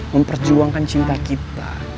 memperjuangkan cinta kita